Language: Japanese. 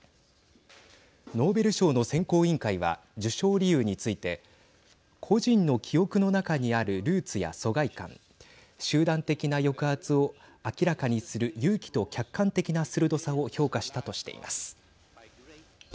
ノーベル賞の選考委員会は受賞理由について個人の記憶の中にあるルーツや疎外感、集団的な抑圧を明らかにする勇気と客観的な鋭さを評価したとしています。